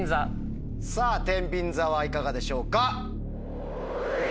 さぁてんびん座はいかがでしょうか？